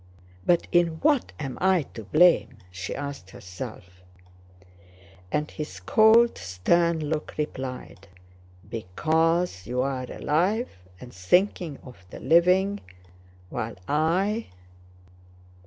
"But in what am I to blame?" she asked herself. And his cold, stern look replied: "Because you are alive and thinking of the living, while I..."